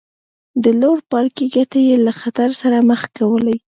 د لوړ پاړکي ګټې یې له خطر سره مخ کولې.